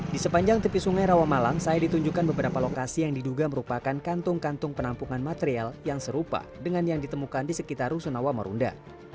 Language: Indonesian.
di sepanjang tepi sungai rawamalang saya ditunjukkan beberapa lokasi yang diduga merupakan kantung kantung penampungan material yang serupa dengan yang ditemukan di sekitar rusunawa marunda